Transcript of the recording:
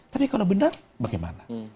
tapi kalau benar bagaimana